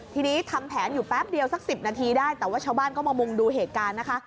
ทีนี้ทำแผนอยู่แป๊บเดียวสัก๑๐นาทีได้แต่ว่าชาวบ้านก็มามุงดูเหตุการณ์นะคะ